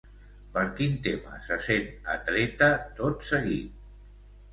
Per quin tema se sent atreta tot seguit?